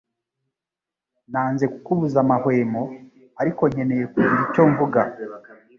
Nanze kukubuza amahwemo, ariko nkeneye kugira icyo mvuga.